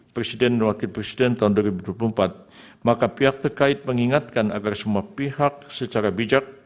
presiden dan wakil presiden tahun dua ribu dua puluh empat maka pihak terkait mengingatkan agar semua pihak secara bijak